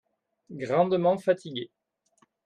Grandement fatigué.